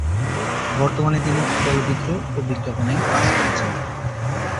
বর্তমানে তিনি চলচ্চিত্র ও বিজ্ঞাপনে কাজ করেছেন।